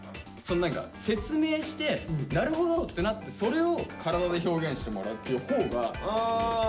何か説明して「なるほど！」ってなってそれを体で表現してもらうっていう方がそろうんですよ。